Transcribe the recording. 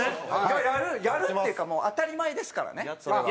やるっていうかもう当たり前ですからねそれは。